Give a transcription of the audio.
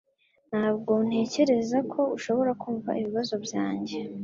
Ntabwo ntekereza ko ushaka kumva ibibazo byanjye